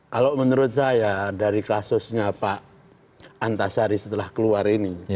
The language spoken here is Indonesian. kalau menurut saya dari kasusnya pak antasari setelah keluar ini